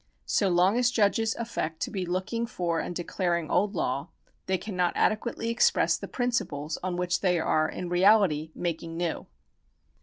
So long as judges affect to be looking for and declaring old law, they cannot adequately express the principles on which they are in reality making new.